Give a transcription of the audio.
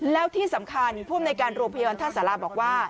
แล้วที่สำคัญผู้อำนวยการโรงพยาบาลท่าสาราบอกว่า